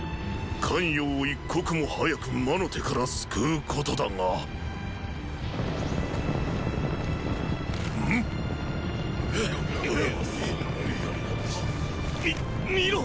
咸陽を一刻も早く魔の手から救うことだがん⁉みっ見ろ！